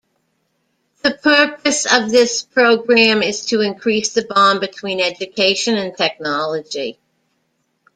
The purpose of this program is to increase the bond between education and technology.